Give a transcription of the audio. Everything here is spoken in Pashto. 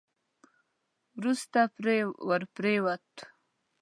وروسته پرې ور پرېووت.